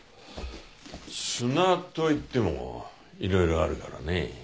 砂といってもいろいろあるからねえ。